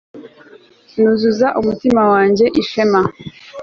Nuzuza umutima wanjye ishema